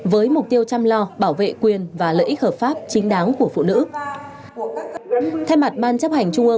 với mục tiêu chăm lo bảo vệ quyền và lợi ích hợp pháp chính đáng của phụ nữ